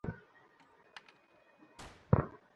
খিদেয় চোখ অন্ধকার হয়ে আসছে।